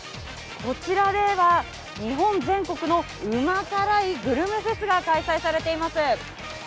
こちらでは、日本全国のうま辛いグルメフェスが開催されています。